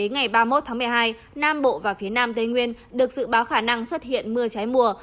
ngày hai mươi bảy ba mươi một tháng một mươi hai nam bộ và phía nam tây nguyên được dự báo khả năng xuất hiện mưa trái mùa